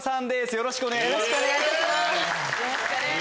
よろしくお願いします。